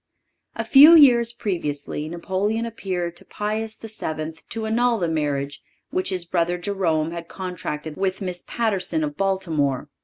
A few years previously Napoleon appealed to Pius VII. to annul the marriage which his brother Jerome had contracted with Miss Patterson of Baltimore.